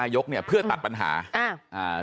อาหารไปร้อนบ้านผมว่าทำไม